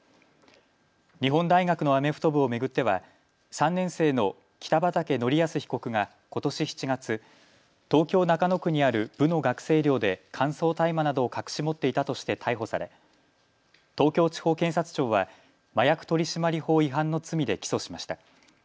日本大学のアメフト部を巡っては３年生の北畠成文被告がことし７月、東京中野区にある部の学生寮で乾燥大麻などを隠し持っていたとして逮捕され東京地方検察庁は麻薬取締法違反の罪で起訴しました。